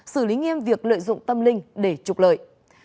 xử lý nghiêm việc lợi dụng tâm linh để trục lợi